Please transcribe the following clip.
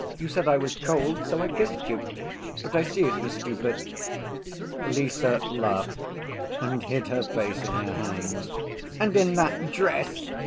You said I was cold, so I kissed you.... But I see it was stupid." Lise laughed, and hid her face in her hands. "And in that dress!"